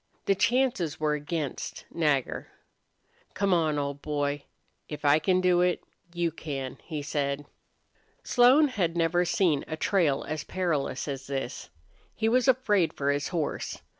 The chances were against Nagger. "Come on, old boy. If I can do it, you can," he said. Slone had never seen a trail as perilous as this. He was afraid for his horse.